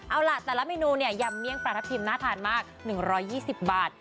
เอาล่ะแต่ละเมนูเนี่ยยำเมี่ยงปลาทับทิมน่าทานมาก๑๒๐บาท